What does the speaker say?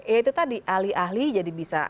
ya itu tadi ahli ahli jadi bisa